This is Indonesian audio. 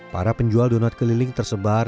para penjual donat keliling tersebar